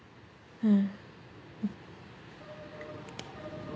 うん。